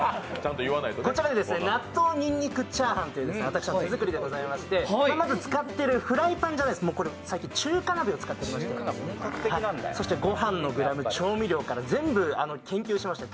こちら、納豆にんにくチャーハンという私の手作りでございまして、まず作ってるのはフライパンじゃなくて最近中華鍋を使っていまして、そして、ご飯のグラム、調味料から研究しました。